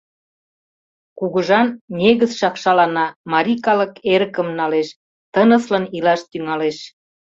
Кугыжан негызшак шалана, марий калык эрыкым налеш, тыныслын илаш тӱҥалеш».